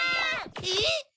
・えっ？